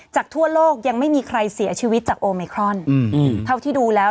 ทั่วโลกยังไม่มีใครเสียชีวิตจากโอเมครอนเท่าที่ดูแล้ว